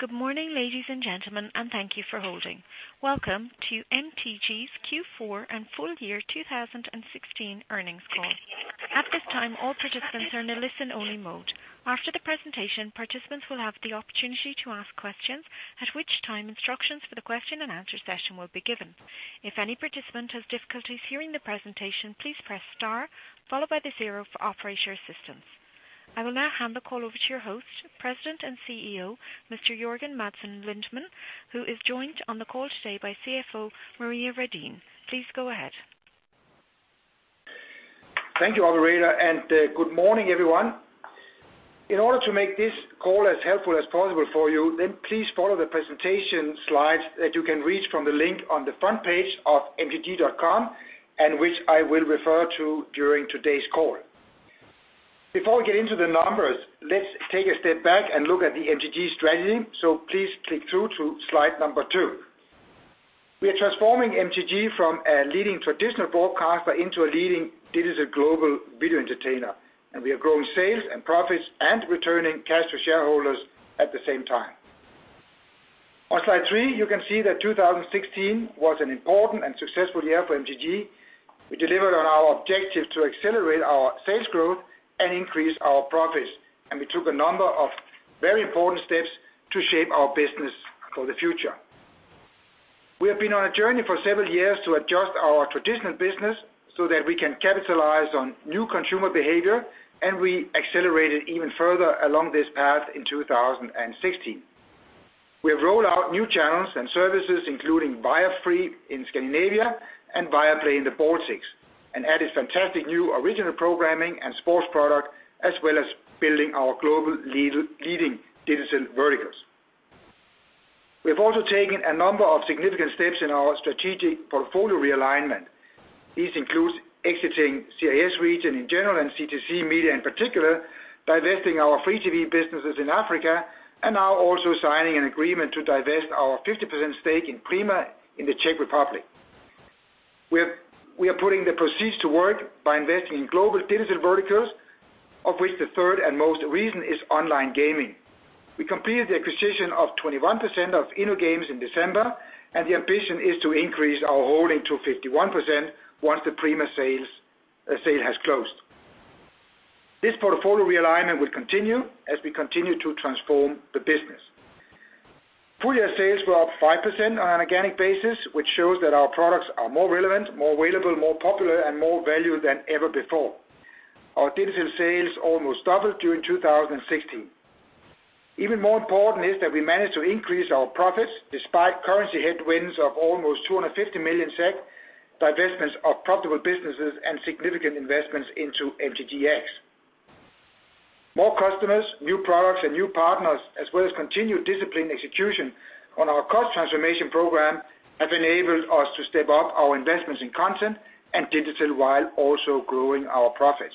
Good morning, ladies and gentlemen, and thank you for holding. Welcome to MTG's Q4 and full year 2016 earnings call. At this time, all participants are in a listen-only mode. After the presentation, participants will have the opportunity to ask questions, at which time instructions for the question and answer session will be given. If any participant has difficulties hearing the presentation, please press star followed by the zero for operator assistance. I will now hand the call over to your host, President and CEO, Mr. Jørgen Madsen Lindemann, who is joined on the call today by CFO Maria Redin. Please go ahead. Thank you, operator. Good morning, everyone. In order to make this call as helpful as possible for you, please follow the presentation slides that you can reach from the link on the front page of mtg.com, which I will refer to during today's call. Before we get into the numbers, let's take a step back and look at the MTG strategy. Please click through to slide number two. We are transforming MTG from a leading traditional broadcaster into a leading digital global video entertainer. We are growing sales and profits and returning cash to shareholders at the same time. On slide three, you can see that 2016 was an important and successful year for MTG. We delivered on our objective to accelerate our sales growth and increase our profits. We took a number of very important steps to shape our business for the future. We have been on a journey for several years to adjust our traditional business so that we can capitalize on new consumer behavior. We accelerated even further along this path in 2016. We have rolled out new channels and services, including Viafree in Scandinavia and Viaplay in the Baltics, and added fantastic new original programming and sports product, as well as building our global leading digital verticals. We have also taken a number of significant steps in our strategic portfolio realignment. This includes exiting CIS region in general and CTC Media in particular, divesting our free TV businesses in Africa. We now also signing an agreement to divest our 50% stake in Prima in the Czech Republic. We are putting the proceeds to work by investing in global digital verticals, of which the third and most recent is online gaming. We completed the acquisition of 21% of InnoGames in December. The ambition is to increase our holding to 51% once the Prima sale has closed. This portfolio realignment will continue as we continue to transform the business. Full-year sales were up 5% on an organic basis, which shows that our products are more relevant, more available, more popular, and more valued than ever before. Our digital sales almost doubled during 2016. Even more important is that we managed to increase our profits despite currency headwinds of almost 250 million SEK, divestments of profitable businesses, and significant investments into MTGx. More customers, new products, and new partners, as well as continued disciplined execution on our cost transformation program, have enabled us to step up our investments in content and digital while also growing our profits.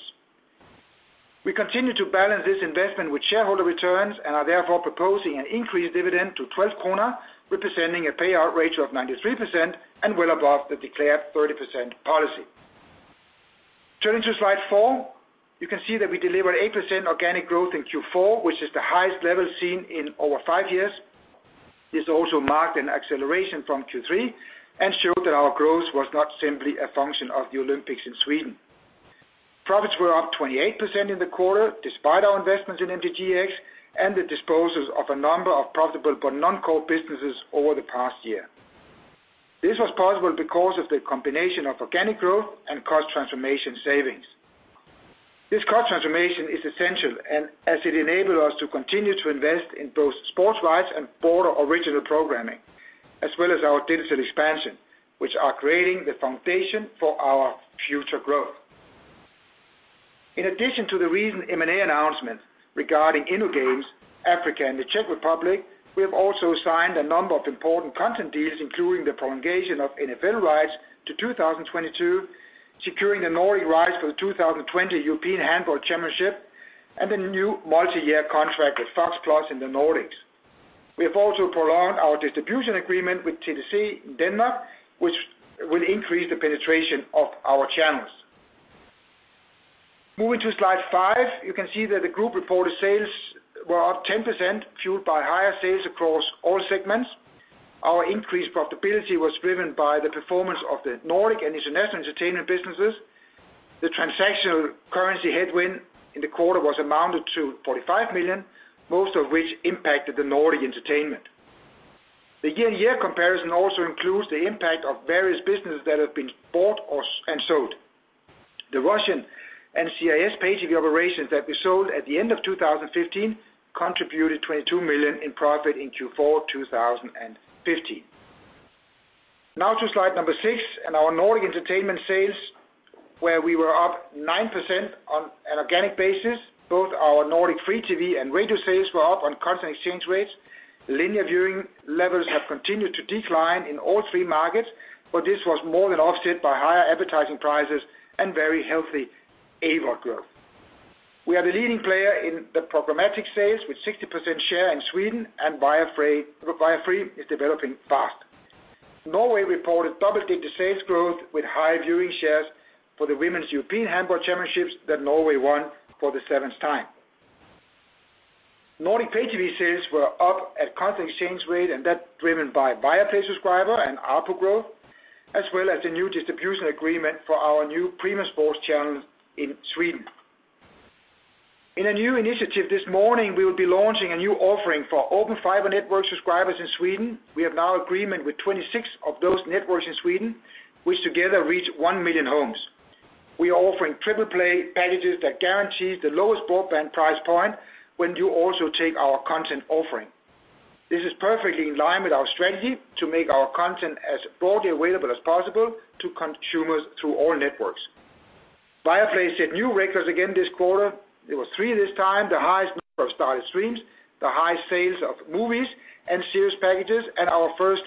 We continue to balance this investment with shareholder returns and are therefore proposing an increased dividend to 12 krona, representing a payout ratio of 93% and well above the declared 30% policy. Turning to slide four, you can see that we delivered 8% organic growth in Q4, which is the highest level seen in over five years. This also marked an acceleration from Q3 and showed that our growth was not simply a function of the Olympics in Sweden. Profits were up 28% in the quarter, despite our investments in MTGx and the disposals of a number of profitable but non-core businesses over the past year. This was possible because of the combination of organic growth and cost transformation savings. This cost transformation is essential as it enabled us to continue to invest in both sports rights and broader original programming, as well as our digital expansion, which are creating the foundation for our future growth. In addition to the recent M&A announcement regarding InnoGames, Africa, and the Czech Republic, we have also signed a number of important content deals, including the prolongation of NFL rights to 2022, securing the Nordic rights for the 2020 European Handball Championship, and a new multi-year contract with Fox+ in the Nordics. We have also prolonged our distribution agreement with TDC in Denmark, which will increase the penetration of our channels. Moving to slide five, you can see that the group reported sales were up 10%, fueled by higher sales across all segments. Our increased profitability was driven by the performance of the Nordic and international entertainment businesses. The transactional currency headwind in the quarter was amounted to 45 million, most of which impacted the Nordic entertainment. The year-on-year comparison also includes the impact of various businesses that have been bought and sold. The Russian and CIS pay TV operations that we sold at the end of 2015 contributed 22 million in profit in Q4 2015. Now to slide number six and our Nordic entertainment sales, where we were up 9% on an organic basis. Both our Nordic free TV and radio sales were up on constant exchange rates. Linear viewing levels have continued to decline in all three markets, but this was more than offset by higher advertising prices and very healthy AVOD growth. We are the leading player in the programmatic sales, with 60% share in Sweden, and Viafree is developing fast. Norway reported double-digit sales growth with higher viewing shares for the Women's European Handball Championship that Norway won for the seventh time. Nordic Pay TV sales were up at constant exchange rate, and that's driven by Viaplay subscriber and ARPU growth, as well as the new distribution agreement for our new premium sports channel in Sweden. In a new initiative this morning, we'll be launching a new offering for open fiber network subscribers in Sweden. We have now agreement with 26 of those networks in Sweden, which together reach 1 million homes. We are offering triple play packages that guarantees the lowest broadband price point when you also take our content offering. This is perfectly in line with our strategy to make our content as broadly available as possible to consumers through all networks. Viaplay set new records again this quarter. There were three this time, the highest number of started streams, the highest sales of movies and series packages, and our first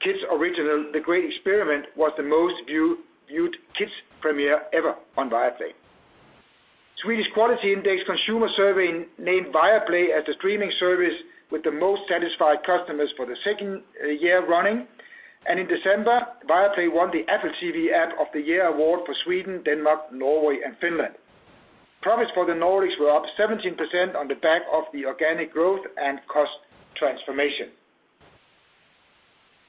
kids original, "The Great Experiment," was the most viewed kids premiere ever on Viaplay. Swedish Quality Index consumer survey named Viaplay as the streaming service with the most satisfied customers for the second year running. In December, Viaplay won the Apple TV App of the Year award for Sweden, Denmark, Norway and Finland. Profits for the Nordics were up 17% on the back of the organic growth and cost transformation.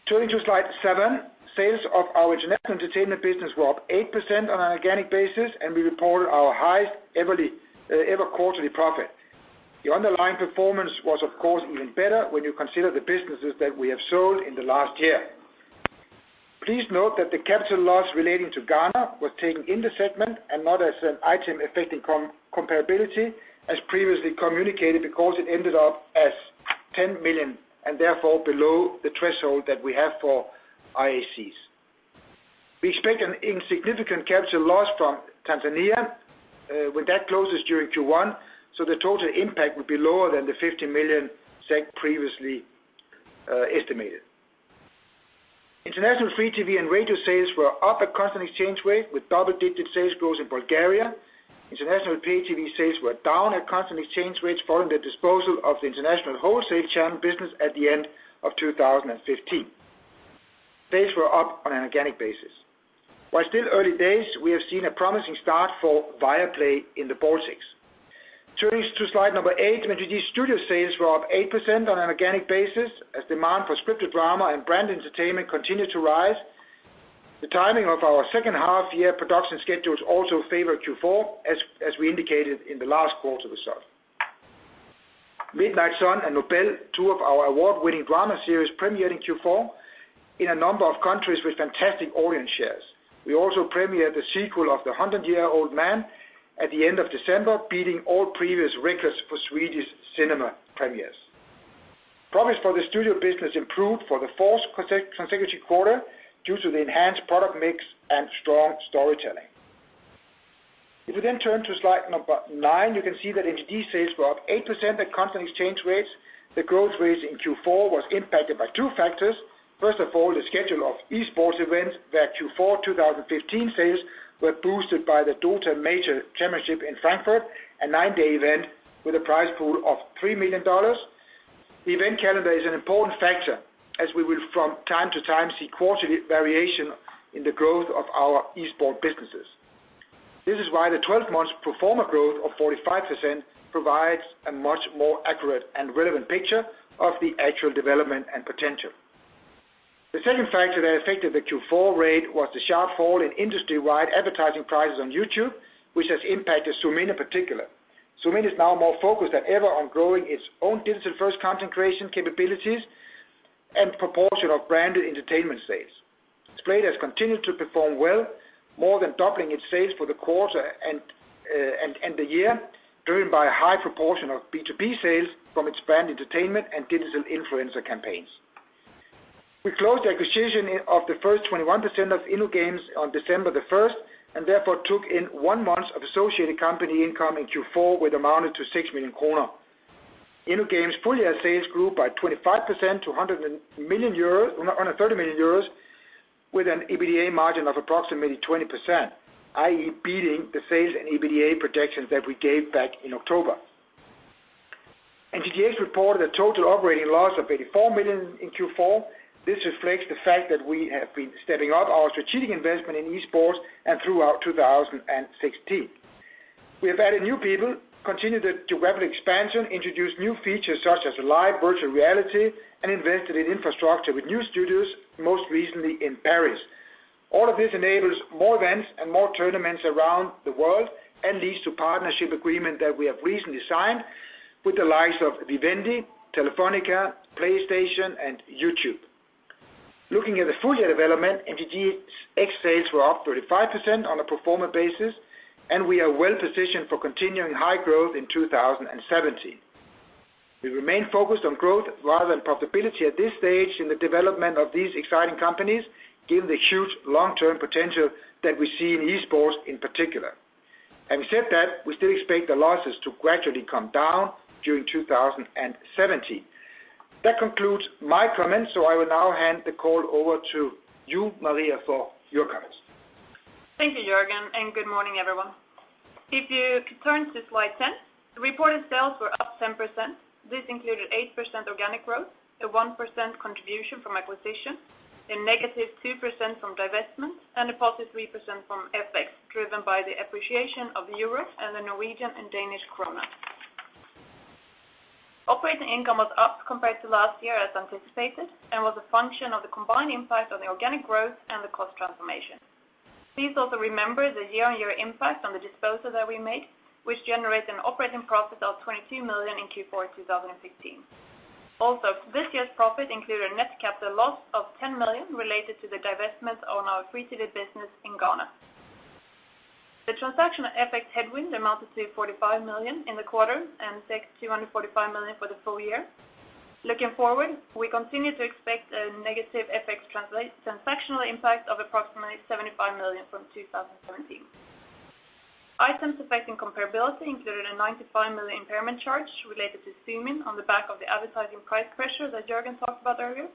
Turning to slide seven, sales of our international entertainment business were up 8% on an organic basis, and we reported our highest ever quarterly profit. The underlying performance was of course, even better when you consider the businesses that we have sold in the last year. Please note that the capital loss relating to Ghana was taken in the segment and not as an Items Affecting Comparability as previously communicated, because it ended up as 10 million and therefore below the threshold that we have for IACs. We expect an insignificant capital loss from Tanzania when that closes during Q1, so the total impact will be lower than the 50 million SEK previously estimated. International free TV and radio sales were up at constant exchange rate with double-digit sales growth in Bulgaria. International Pay TV sales were down at constant exchange rates following the disposal of the international wholesale channel business at the end of 2015. Sales were up on an organic basis. While still early days, we have seen a promising start for Viaplay in the Baltics. Turning to slide number eight, MTG's studio sales were up 8% on an organic basis as demand for scripted drama and branded entertainment continued to rise. The timing of our second half year production schedules also favored Q4, as we indicated in the last quarter result. "Midnight Sun" and "Nobel," two of our award-winning drama series premiering Q4 in a number of countries with fantastic audience shares. We also premiered the sequel of "The 100-Year-Old Man" at the end of December, beating all previous records for Swedish cinema premieres. Profits for the studio business improved for the fourth consecutive quarter due to the enhanced product mix and strong storytelling. Turning to slide number nine, you can see that MTG sales were up 8% at constant exchange rates. The growth rate in Q4 was impacted by two factors. First of all, the schedule of esports events where Q4 2015 sales were boosted by the Dota Major Championship in Frankfurt, a nine-day event with a prize pool of $3 million. The event calendar is an important factor as we will from time to time see quarterly variation in the growth of our esports businesses. This is why the 12 months pro forma growth of 45% provides a much more accurate and relevant picture of the actual development and potential. The second factor that affected the Q4 rate was the sharp fall in industry-wide advertising prices on YouTube, which has impacted Zoomin.TV in particular. Zoomin.TV is now more focused than ever on growing its own digital-first content creation capabilities and proportion of branded entertainment sales. Splay has continued to perform well, more than doubling its sales for the quarter and the year, driven by a high proportion of B2B sales from its brand entertainment and digital influencer campaigns. We closed the acquisition of the first 21% of InnoGames on December 1st, and therefore took in one month of associated company income in Q4, which amounted to 6 million kronor. InnoGames full-year sales grew by 25% to 130 million euros with an EBITDA margin of approximately 20%, i.e., beating the sales and EBITDA projections that we gave back in October. MTGx reported a total operating loss of 84 million in Q4. This reflects the fact that we have been stepping up our strategic investment in esports and throughout 2016. We have added new people, continued the geographic expansion, introduced new features such as live virtual reality, and invested in infrastructure with new studios, most recently in Paris. All of this enables more events and more tournaments around the world and leads to partnership agreement that we have recently signed with the likes of Vivendi, Telefónica, PlayStation and YouTube. Looking at the full-year development, MTGx sales were up 35% on a pro forma basis, and we are well positioned for continuing high growth in 2017. We remain focused on growth rather than profitability at this stage in the development of these exciting companies, given the huge long-term potential that we see in esports in particular. Having said that, we still expect the losses to gradually come down during 2017. I will now hand the call over to you, Maria, for your comments Thank you, Jørgen, and good morning, everyone. If you turn to slide 10, the reported sales were up 10%. This included 8% organic growth, a 1% contribution from acquisition, a negative 2% from divestments, and a positive 3% from FX, driven by the appreciation of the euro and the Norwegian and Danish kroner. Operating income was up compared to last year as anticipated and was a function of the combined impact of the organic growth and the cost transformation. Please also remember the year-on-year impact on the disposal that we made, which generates an operating profit of 22 million in Q4 2015. Also, this year's profit included a net capital loss of 10 million related to the divestment on our free TV business in Ghana. The transaction FX headwind amounted to 45 million in the quarter and takes 245 million for the full year. Looking forward, we continue to expect a negative FX transactional impact of approximately 75 million from 2017. Items Affecting Comparability included a 95 million impairment charge related to Zoomin on the back of the advertising price pressure that Jørgen talked about earlier.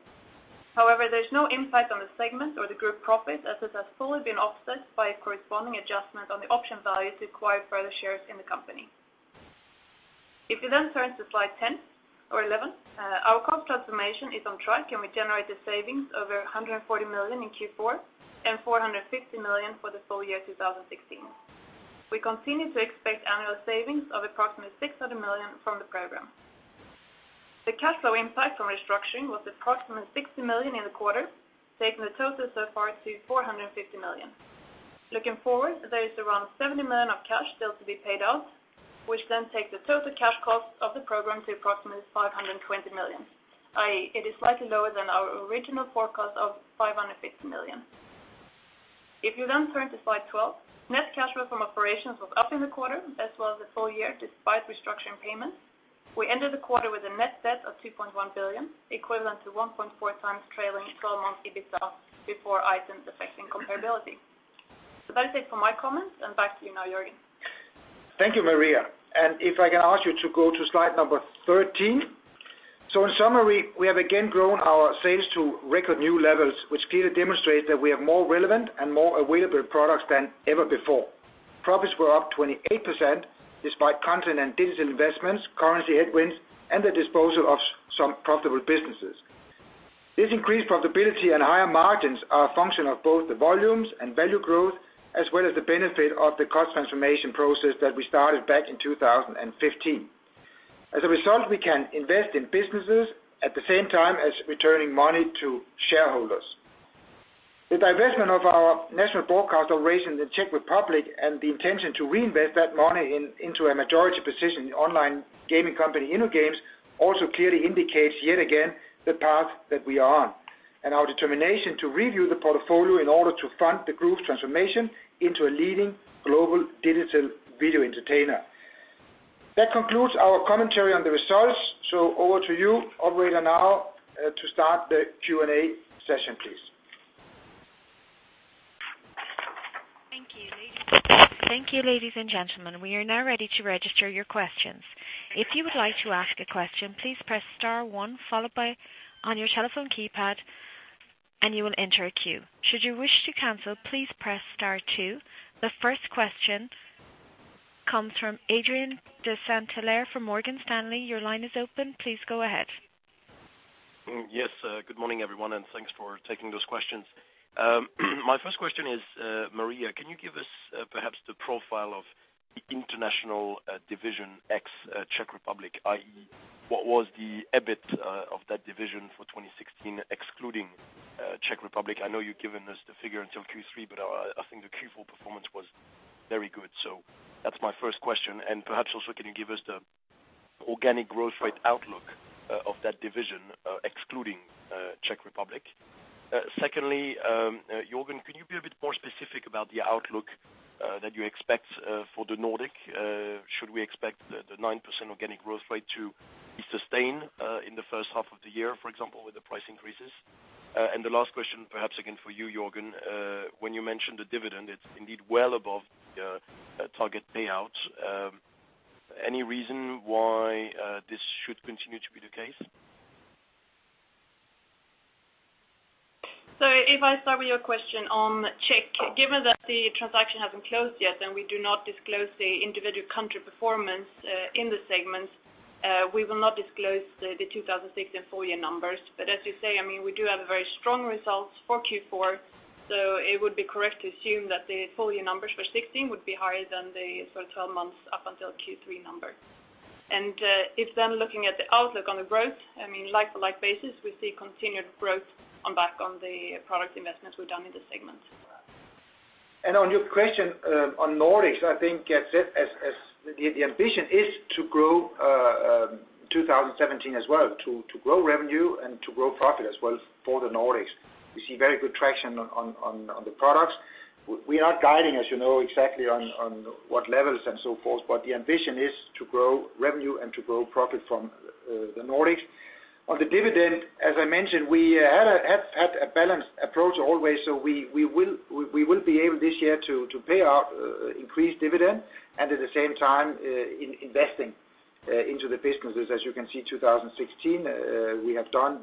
However, there's no impact on the segment or the group profit as it has fully been offset by a corresponding adjustment on the option value to acquire further shares in the company. If you then turn to slide 11, our cost transformation is on track, and we generated savings over 140 million in Q4 and 450 million for the full year 2016. We continue to expect annual savings of approximately 600 million from the program. The cash flow impact from restructuring was approximately 60 million in the quarter, taking the total so far to 450 million. Looking forward, there is around 70 million of cash still to be paid out, which then takes the total cash cost of the program to approximately 520 million, i.e., it is slightly lower than our original forecast of 550 million. If you then turn to slide 12, net cash flow from operations was up in the quarter as well as the full year despite restructuring payments. We ended the quarter with a net debt of 2.1 billion, equivalent to 1.4 times trailing 12-month EBITA before Items Affecting Comparability. That's it for my comments, and back to you now, Jørgen. Thank you, Maria. If I can ask you to go to slide number 13. In summary, we have again grown our sales to record new levels, which clearly demonstrate that we have more relevant and more available products than ever before. Profits were up 28%, despite content and digital investments, currency headwinds, and the disposal of some profitable businesses. This increased profitability and higher margins are a function of both the volumes and value growth, as well as the benefit of the cost transformation process that we started back in 2015. As a result, we can invest in businesses at the same time as returning money to shareholders. The divestment of our national broadcast operation in the Czech Republic and the intention to reinvest that money into a majority position in online gaming company InnoGames also clearly indicates yet again the path that we are on and our determination to review the portfolio in order to fund the group's transformation into a leading global digital video entertainer. That concludes our commentary on the results. Over to you, Operator, now to start the Q&A session, please. Thank you, ladies and gentlemen. We are now ready to register your questions. If you would like to ask a question, please press star one, followed by on your telephone keypad, and you will enter a queue. Should you wish to cancel, please press star two. The first question comes from Adrien de Saint Hilaire from Morgan Stanley. Your line is open. Please go ahead. Yes. Good morning, everyone, thanks for taking those questions. My first question is, Maria, can you give us perhaps the profile of the international division ex Czech Republic, i.e., what was the EBIT of that division for 2016, excluding Czech Republic? I know you've given us the figure until Q3, I think the Q4 performance was very good. That's my first question. Perhaps also, can you give us the organic growth rate outlook of that division, excluding Czech Republic? Secondly, Jørgen, can you be a bit more specific about the outlook that you expect for the Nordic? Should we expect the 9% organic growth rate to be sustained in the first half of the year, for example, with the price increases? The last question, perhaps again for you, Jørgen. When you mentioned the dividend, it's indeed well above the target payout. Any reason why this should continue to be the case? If I start with your question on Czech. Given that the transaction hasn't closed yet and we do not disclose the individual country performance in the segment, we will not disclose the 2016 full year numbers. As you say, we do have a very strong result for Q4, it would be correct to assume that the full-year numbers for 2016 would be higher than the full 12 months up until Q3 numbers. If then looking at the outlook on the growth, like-for-like basis, we see continued growth on back on the product investments we've done in the segment. On your question on Nordics, I think as the ambition is to grow 2017 as well, to grow revenue and to grow profit as well for the Nordics. We see very good traction on the products. We are guiding, as you know, exactly on what levels and so forth, the ambition is to grow revenue and to grow profit from the Nordics. On the dividend, as I mentioned, we have had a balanced approach always, we will be able this year to pay out increased dividend and at the same time investing into the businesses. As you can see, 2016, we have done,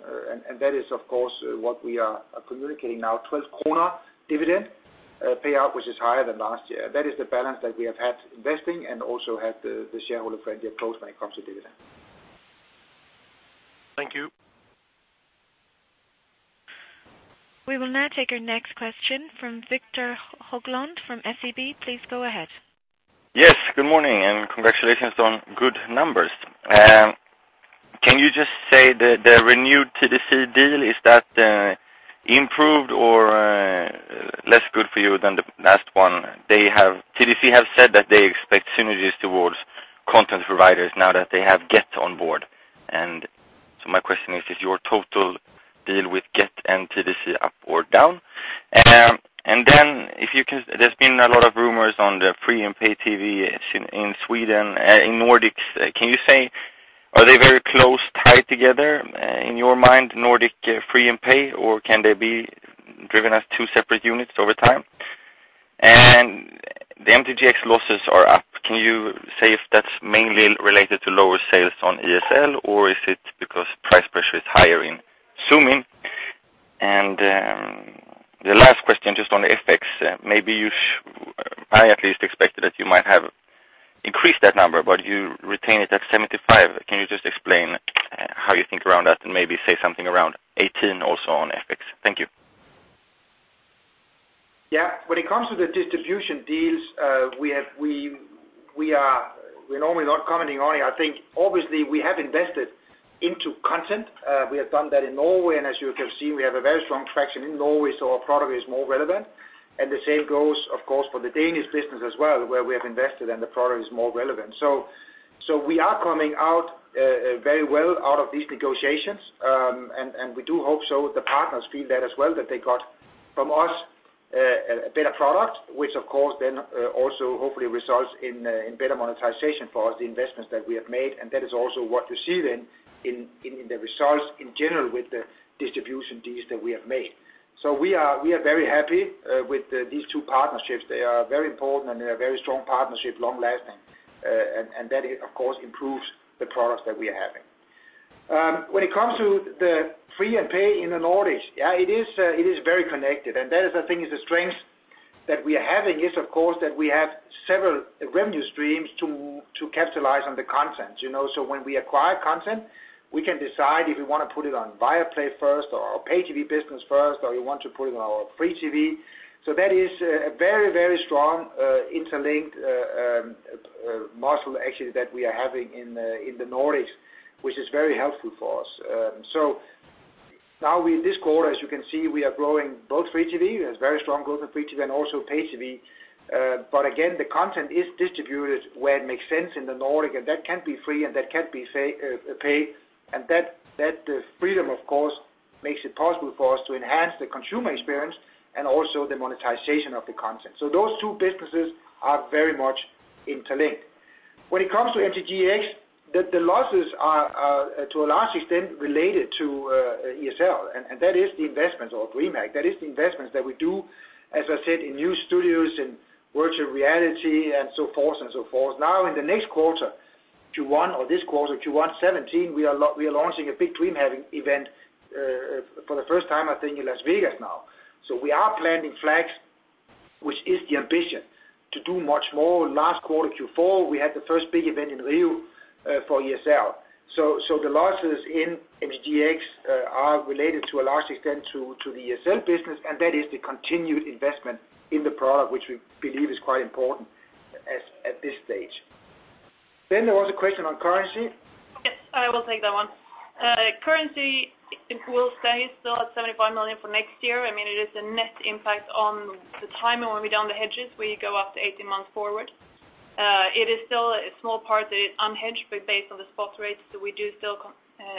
and that is, of course, what we are communicating now, 12 dividend payout, which is higher than last year. That is the balance that we have had investing and also had the shareholder friendly approach when it comes to dividend. Thank you. We will now take our next question from Victor Höglund from SEB. Please go ahead. Yes. Good morning and congratulations on good numbers. Can you just say the renewed TDC deal, is that improved or less good for you than the last one? TDC have said that they expect synergies towards content providers now that they have Get on board. My question is your total deal with Get and TDC up or down? There's been a lot of rumors on the free and pay TV in Sweden, in Nordics. Can you say, are they very close tied together, in your mind, Nordic free and pay, or can they be driven as two separate units over time? The MTGX losses are up. Can you say if that's mainly related to lower sales on ESL or is it because price pressure is higher in Zoomin.TV? The last question, just on FX, I at least expected that you might have increased that number, but you retain it at 75. Can you just explain how you think around that and maybe say something around 2018 also on FX? Thank you. Yeah. When it comes to the distribution deals, we're normally not commenting on it. I think obviously we have invested into content. We have done that in Norway, and as you can see, we have a very strong traction in Norway, so our product is more relevant. The same goes, of course, for the Danish business as well, where we have invested and the product is more relevant. We are coming out very well out of these negotiations. We do hope so, the partners feel that as well, that they got from us a better product, which of course then also hopefully results in better monetization for us, the investments that we have made. That is also what you see then in the results in general with the distribution deals that we have made. We are very happy with these two partnerships. They are very important and they are very strong partnership, long lasting. That, of course, improves the products that we are having. When it comes to the free and pay in the Nordics, yeah, it is very connected and that is the thing, is the strength that we are having is of course that we have several revenue streams to capitalize on the content. When we acquire content, we can decide if we want to put it on Viaplay first or our pay TV business first, or we want to put it on our free TV. That is a very strong interlinked module actually that we are having in the Nordics, which is very helpful for us. Now with this quarter, as you can see, we are growing both free TV, there's very strong growth in free TV and also pay TV. Again, the content is distributed where it makes sense in the Nordics, and that can be free and that can be pay. That freedom of course makes it possible for us to enhance the consumer experience and also the monetization of the content. Those two businesses are very much interlinked. When it comes to MTGX, the losses are to a large extent related to ESL, and that is the investments of DreamHack. That is the investments that we do, as I said, in new studios, in virtual reality and so forth. Now in the next quarter, Q1, or this quarter, Q1 2017, we are launching a big DreamHack event for the first time, I think in Las Vegas now. We are planting flags, which is the ambition to do much more. Last quarter, Q4, we had the first big event in Rio for ESL. The losses in MTGX are related to a large extent to the ESL business, and that is the continued investment in the product which we believe is quite important at this stage. There was a question on currency? Yes, I will take that one. Currency, we'll stay still at 75 million for next year. I mean, it is a net impact on the timing when we down the hedges, we go up to 18 months forward. It is still a small part that is unhedged, but based on the spot rates, we do still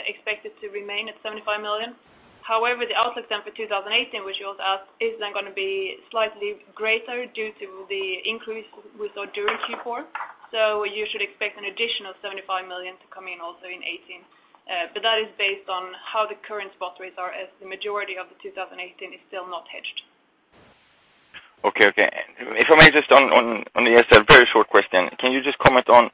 expect it to remain at 75 million. However, the outlook then for 2018, which you also asked, is then going to be slightly greater due to the increase we saw during Q4. You should expect an additional 75 million to come in also in 2018. That is based on how the current spot rates are, as the majority of the 2018 is still not hedged. Okay. If I may, just on ESL, very short question. Can you just comment on,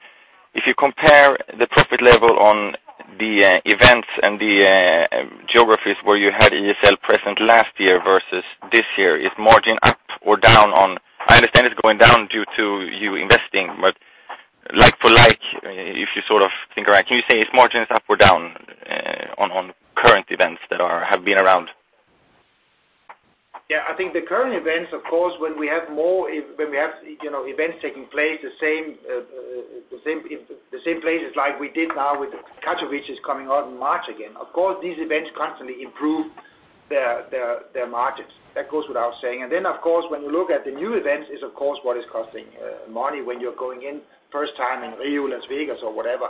if you compare the profit level on the events and the geographies where you had ESL present last year versus this year, is margin up or down? I understand it's going down due to you investing, but like for like, if you think around, can you say is margins up or down on current events that have been around? Yeah, I think the current events, of course, when we have events taking place the same places like we did now with the Katowice is coming out in March again. Of course, these events constantly improve their margins. That goes without saying. Then, of course, when you look at the new events is, of course, what is costing money when you're going in first time in Rio, Las Vegas or whatever.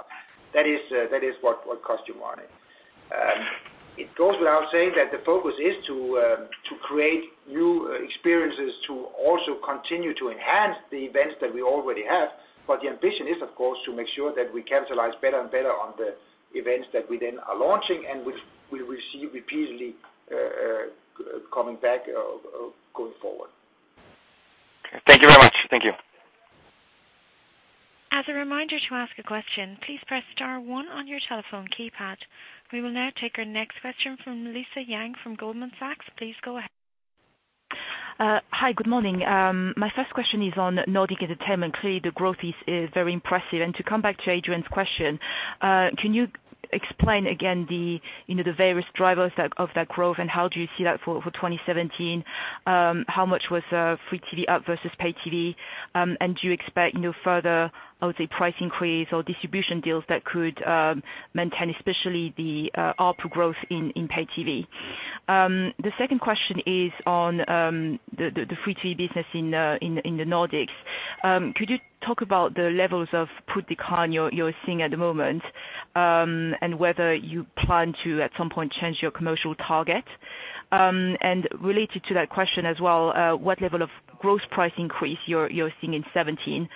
That is what costs you money. It goes without saying that the focus is to create new experiences to also continue to enhance the events that we already have. The ambition is, of course, to make sure that we capitalize better and better on the events that we then are launching and which we'll receive repeatedly coming back going forward. Thank you very much. Thank you. As a reminder, to ask a question, please press star one on your telephone keypad. We will now take our next question from Lisa Yang from Goldman Sachs. Please go ahead. Hi. Good morning. My first question is on Nordic Entertainment. Clearly, the growth is very impressive. To come back to Adrien's question, can you explain again the various drivers of that growth, and how do you see that for 2017? How much was free TV ad versus paid TV? Do you expect further, I would say, price increase or distribution deals that could maintain especially the output growth in paid TV? The second question is on the free TV business in the Nordics. Could you talk about the levels of PUT levels you're seeing at the moment, and whether you plan to, at some point, change your commercial target? Related to that question as well, what level of gross price increase you're seeing in 2017?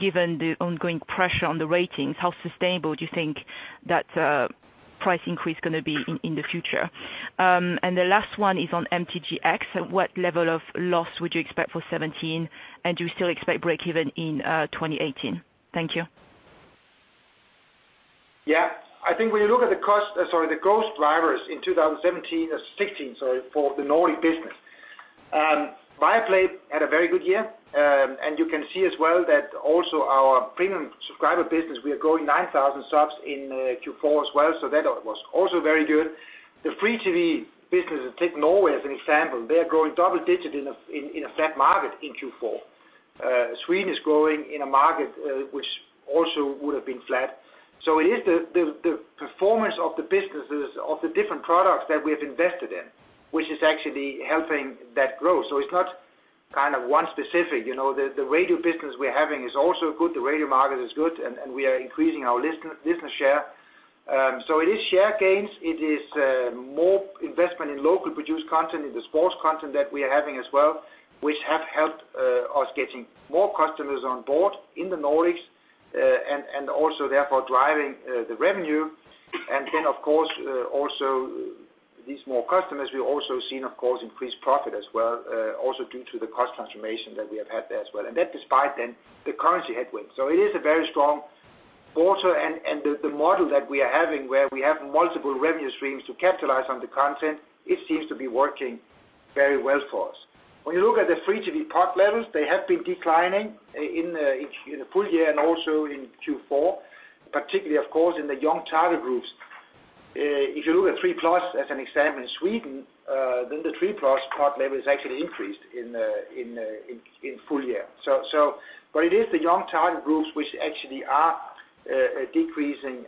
Given the ongoing pressure on the ratings, how sustainable do you think that price increase is going to be in the future? The last one is on MTGx, and what level of loss would you expect for 2017? Do you still expect breakeven in 2018? Thank you. Yeah. I think when you look at the cost, sorry, the growth drivers in 2016 for the Nordic business. Viaplay had a very good year. You can see as well that also our premium subscriber business, we are growing 9,000 subs in Q4 as well. That was also very good. The free TV business, take Norway as an example. They are growing double digit in a flat market in Q4. Sweden is growing in a market which also would have been flat. It is the performance of the businesses of the different products that we have invested in, which is actually helping that growth. It's not one specific. The radio business we're having is also good. The radio market is good, and we are increasing our listener share. It is share gains. It is more investment in locally produced content, in the sports content that we are having as well, which have helped us getting more customers on board in the Nordics, also therefore driving the revenue. Of course, also these small customers, we've also seen, of course, increased profit as well, also due to the cost transformation that we have had there as well. That despite the currency headwind. It is a very strong quarter. The model that we are having, where we have multiple revenue streams to capitalize on the content, it seems to be working very well for us. When you look at the free TV PUT levels, they have been declining in the full year and also in Q4, particularly, of course, in the young target groups. If you look at three plus as an example in Sweden, the three plus park level has actually increased in full year. It is the young target groups which actually are decreasing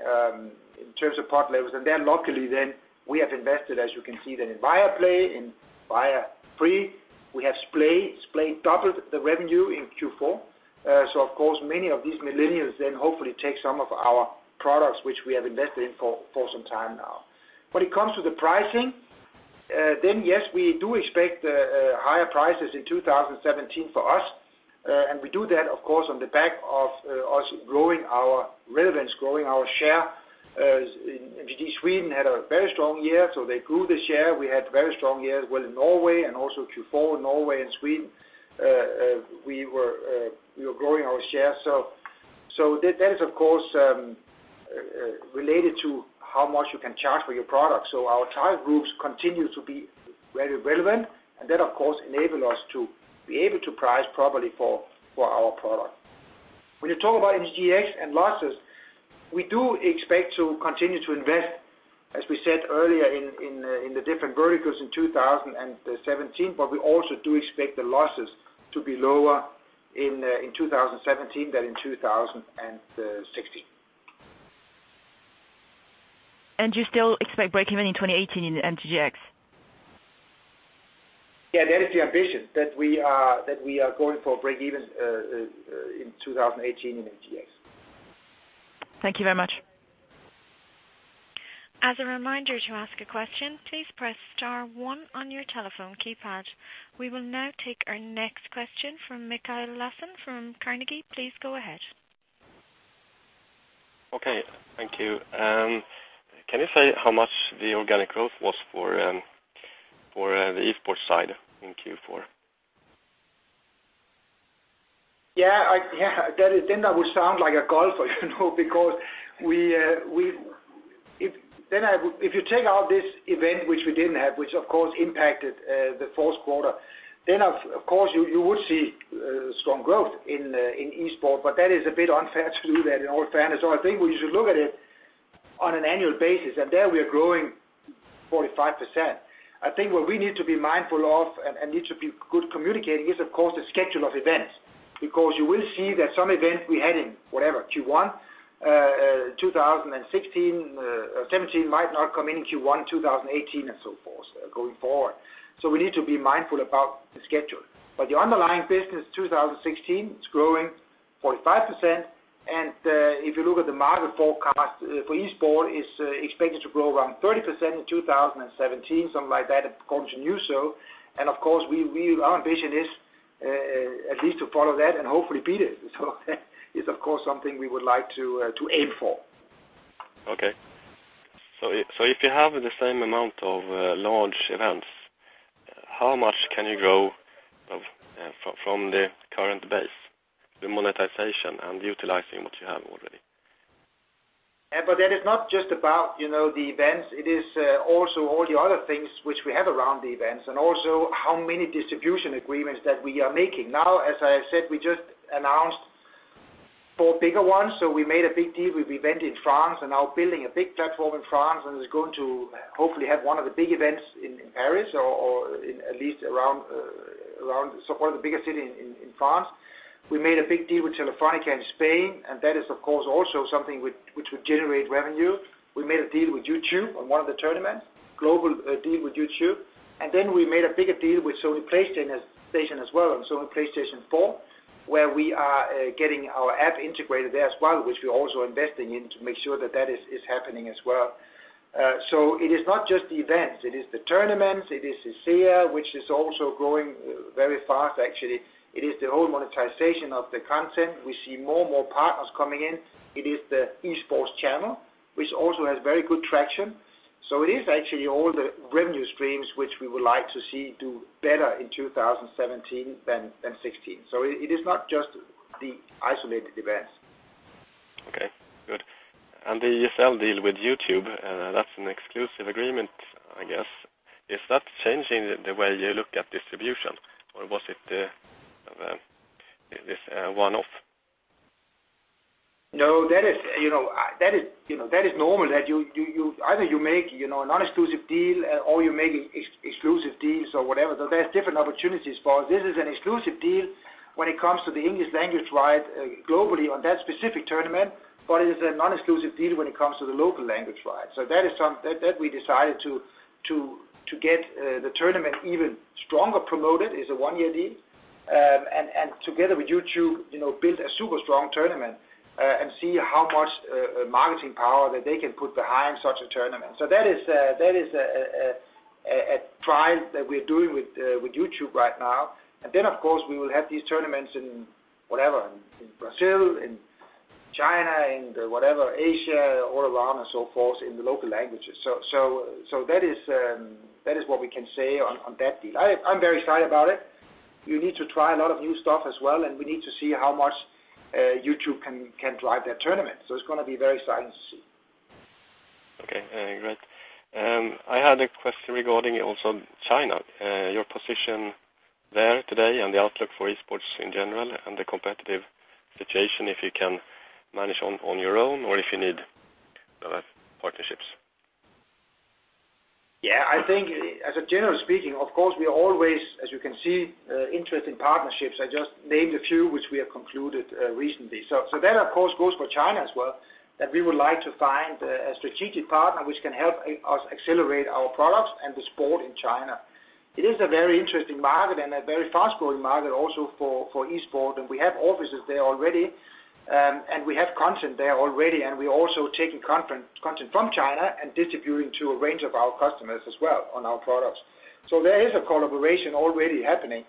in terms of PUT levels. Locally, we have invested, as you can see, in Viaplay and Viafree. We have Viaplay. Viaplay doubled the revenue in Q4. Of course, many of these millennials hopefully take some of our products, which we have invested in for some time now. When it comes to the pricing, yes, we do expect higher prices in 2017 for us. We do that, of course, on the back of us growing our relevance, growing our share. MTG Sweden had a very strong year, they grew the share. We had very strong year as well in Norway, also Q4 Norway and Sweden we were growing our share. That is, of course, related to how much you can charge for your product. Our target groups continue to be very relevant, that, of course, enable us to be able to price properly for our product. When you talk about MTGX and losses, we do expect to continue to invest, as we said earlier, in the different verticals in 2017. We also do expect the losses to be lower in 2017 than in 2016. Do you still expect breakeven in 2018 in MTGX? Yeah. That is the ambition, that we are going for breakeven in 2018 in MTGX. Thank you very much. As a reminder, to ask a question, please press star one on your telephone keypad. We will now take our next question from Mikael Laséen from Carnegie. Please go ahead. Okay. Thank you. Can you say how much the organic growth was for the esports side in Q4? I would sound like a golfer, because if you take out this event which we didn't have, which of course impacted the fourth quarter, then of course you would see strong growth in Esports, but that is a bit unfair to do that, in all fairness. I think we should look at it on an annual basis, and there we are growing 45%. I think what we need to be mindful of and need to be good communicating is, of course, the schedule of events. You will see that some events we had in, whatever, Q1 2016, or 2017 might not come in in Q1 2018, and so forth, going forward. We need to be mindful about the schedule. The underlying business 2016, it's growing 45%, and if you look at the market forecast for Esports, it's expected to grow around 30% in 2017, something like that, and continue so. Of course, our ambition is at least to follow that and hopefully beat it. It's of course, something we would like to aim for. Okay. If you have the same amount of large events, how much can you grow from the current base, the monetization and utilizing what you have already? That is not just about the events. It is also all the other things which we have around the events, and also how many distribution agreements that we are making. Now, as I said, we just announced four bigger ones. We made a big deal with Vivendi in France and now building a big platform in France and is going to hopefully have one of the big events in Paris or at least around one of the biggest city in France. We made a big deal with Telefónica in Spain and that is, of course, also something which would generate revenue. We made a deal with YouTube on one of the tournaments, global deal with YouTube. We made a bigger deal with Sony PlayStation as well on Sony PlayStation 4, where we are getting our app integrated there as well, which we're also investing in to make sure that is happening as well. It is not just the events. It is the tournaments, it is ESEA, which is also growing very fast actually. It is the whole monetization of the content. We see more partners coming in. It is the esports channel which also has very good traction. It is actually all the revenue streams which we would like to see do better in 2017 than 2016. It is not just the isolated events. Okay, good. The ESL deal with YouTube, that's an exclusive agreement, I guess. Is that changing the way you look at distribution or was it this one-off? No, that is normal that either you make a non-exclusive deal or you make exclusive deals or whatever. There's different opportunities for this is an exclusive deal when it comes to the English language right globally on that specific tournament. It is a non-exclusive deal when it comes to the local language right. That we decided to get the tournament even stronger promoted is a one-year deal. Together with YouTube build a super strong tournament and see how much marketing power that they can put behind such a tournament. That is a trial that we're doing with YouTube right now. Of course, we will have these tournaments in whatever, in Brazil, in China, in whatever Asia, all around and so forth in the local languages. That is what we can say on that deal. I'm very excited about it. You need to try a lot of new stuff as well and we need to see how much YouTube can drive that tournament. It's going to be very exciting to see. Okay, great. I had a question regarding also China, your position there today and the outlook for esports in general and the competitive situation if you can manage on your own or if you need partnerships. Yeah, I think as a general speaking, of course we always, as you can see, interested in partnerships. I just named a few which we have concluded recently. That of course goes for China as well, that we would like to find a strategic partner which can help us accelerate our products and the sport in China. It is a very interesting market and a very fast-growing market also for esports and we have offices there already. We have content there already and we're also taking content from China and distributing to a range of our customers as well on our products. There is a collaboration already happening.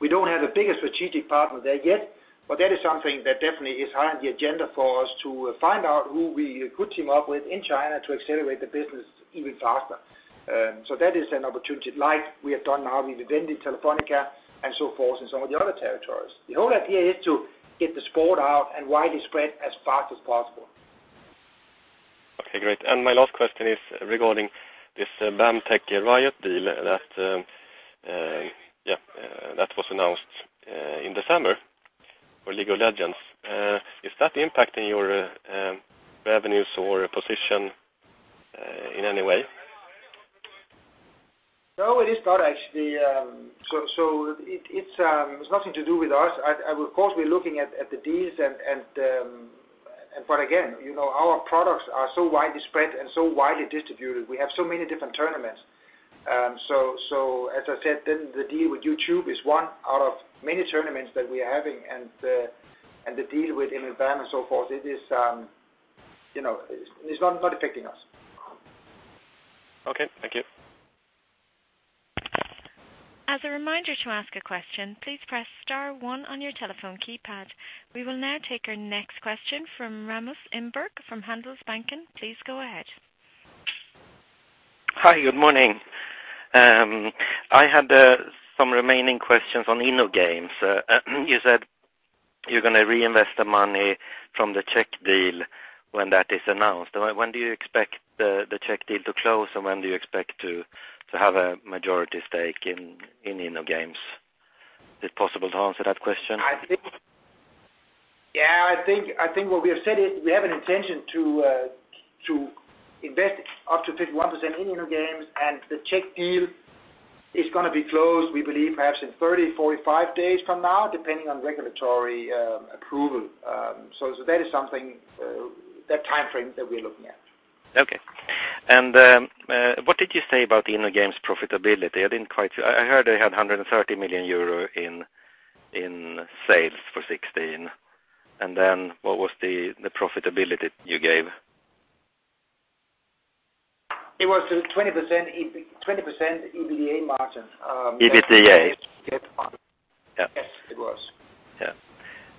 We don't have the biggest strategic partner there yet, but that is something that definitely is high on the agenda for us to find out who we could team up with in China to accelerate the business even faster. That is an opportunity like we have done now with Vivendi in Telefónica and so forth in some of the other territories. The whole idea is to get the sport out and widely spread as fast as possible. Okay, great. My last question is regarding this BAMTech Riot deal that was announced in December for League of Legends. Is that impacting your revenues or position in any way? No, it is not actually. It's nothing to do with us. Of course, we're looking at the deals and but again our products are so widely spread and so widely distributed. We have so many different tournaments. As I said then the deal with YouTube is one out of many tournaments that we are having and the deal with InnoGames and so forth, it's not affecting us. Okay, thank you. As a reminder to ask a question, please press star one on your telephone keypad. We will now take our next question from Rasmus Engberg from Handelsbanken. Please go ahead. Hi, good morning. I had some remaining questions on InnoGames. You said you're going to reinvest the money from the Czech deal when that is announced. When do you expect the Czech deal to close and when do you expect to have a majority stake in InnoGames? Is it possible to answer that question? I think what we have said is we have an intention to invest up to 51% in InnoGames and the Czech deal is going to be closed we believe perhaps in 30, 45 days from now depending on regulatory approval. That is something that timeframe that we're looking at. Okay. What did you say about InnoGames profitability? I heard they had 130 million euro in sales for 2016 then what was the profitability you gave? It was 20% EBITDA margin. EBITDA? Yes, it was.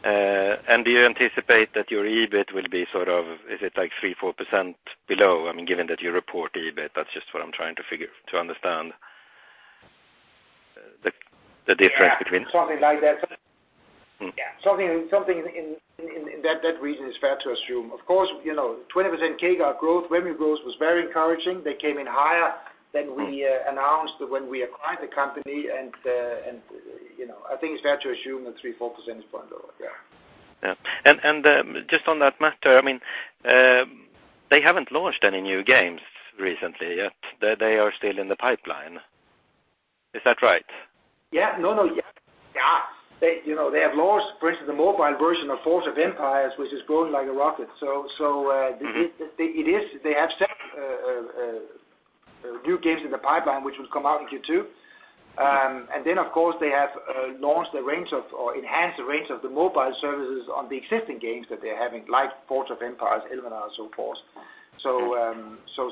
Do you anticipate that your EBIT will be, is it 3%-4% below? Given that you report EBIT, that's just what I'm trying to understand the difference between. Yeah. Something like that. Yeah. Something in that region is fair to assume. Of course, 20% CAGR growth, revenue growth was very encouraging. They came in higher than we announced when we acquired the company I think it's fair to assume that 3%-4% is fine though. Yeah. Yeah. Just on that matter, they haven't launched any new games recently yet. They are still in the pipeline. Is that right? Yeah. No. They have launched, for instance, the mobile version of Forge of Empires, which is growing like a rocket. They have several new games in the pipeline, which will come out in Q2. Then, of course, they have launched a range of, or enhanced the range of the mobile services on the existing games that they're having, like Forge of Empires, Elvenar, and so forth.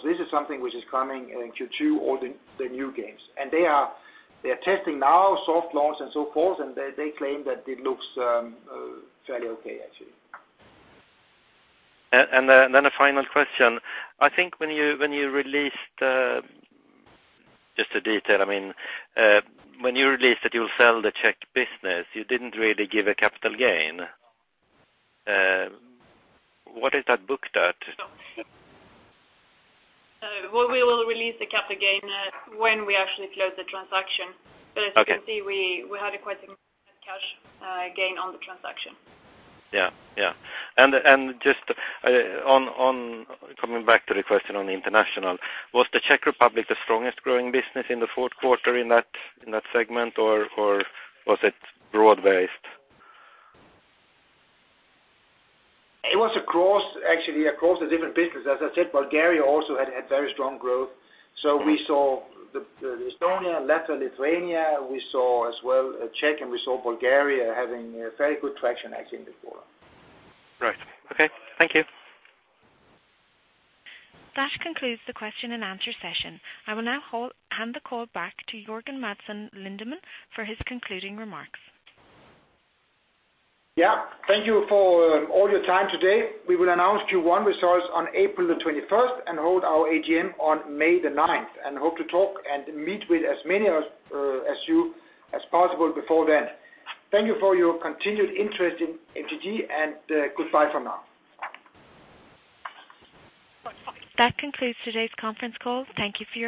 This is something which is coming in Q2, all the new games. They are testing now soft launches and so forth, and they claim that it looks fairly okay, actually. A final question. I think when you released, just a detail, when you released that you'll sell the Czech business, you didn't really give a capital gain. What is that booked at? Well, we will release the capital gain when we actually close the transaction. Okay. As you can see, we had quite a significant cash gain on the transaction. Just coming back to the question on international, was the Czech Republic the strongest growing business in the fourth quarter in that segment, or was it broad-based? It was actually across the different businesses. As I said, Bulgaria also had very strong growth. We saw Estonia, Latvia, Lithuania. We saw as well Czech, and we saw Bulgaria having very good traction actually in the quarter. Right. Okay. Thank you. That concludes the question and answer session. I will now hand the call back to Jørgen Madsen Lindemann for his concluding remarks. Yeah. Thank you for all your time today. We will announce Q1 results on April the 21st and hold our AGM on May the 9th, and hope to talk and meet with as many of you as possible before then. Thank you for your continued interest in MTG, and goodbye for now. That concludes today's conference call. Thank you for your participation.